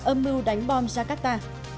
âm mưu đánh bom jakarta